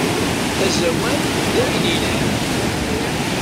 Azawan dayen yelhan.